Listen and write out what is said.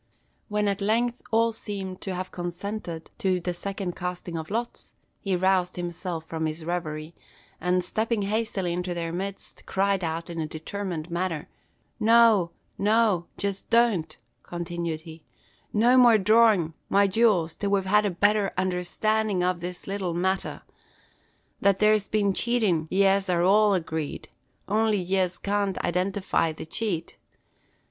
When at length all seemed to have consented to a second casting of lots, he roused himself from his reverie; and, stepping hastily into their midst, cried out in a determined manner, "No "No, yez don't," continued he, "no more drawin', my jewels, till we've had a betther undherstandin' ov this little matther. That there's been chatin' yez are all agreed; only yez can't identify the chate.